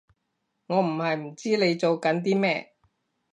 我唔係唔知你做緊啲咩